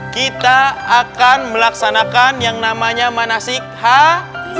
kita akan melaksanakan yang namanya manasik hah